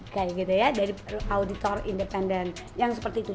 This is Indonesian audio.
kayak gitu ya dari auditor independen yang seperti itu